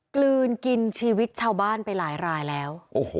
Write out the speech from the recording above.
กลืนกินชีวิตชาวบ้านไปหลายรายแล้ว